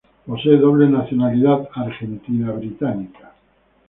Posee doble nacionalidad argentina-británica.